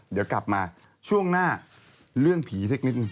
เดี๋ยวกลับมาช่วงหน้าเรื่องผีสักนิดหนึ่ง